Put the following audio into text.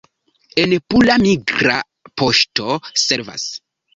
En Pula migra poŝto servas.